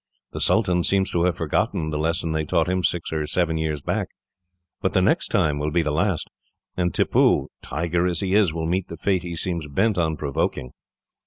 The Sultan seems to have forgotten the lesson they taught him, six or seven years back. But the next time will be the last, and Tippoo, tiger as he is, will meet the fate he seems bent on provoking.